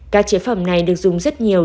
các chế phẩm này được dùng rất nhiều